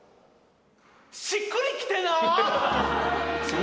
しっくりきてなっ！